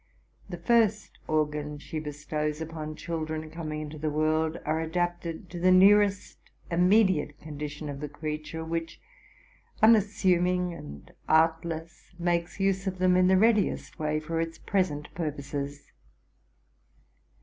'The first organs she bestows upon children coming into the world, are adapted to the nearest immediate condi tion of the creature, which, unassuming and artless, makes use of them in the readiest way for its present purposes.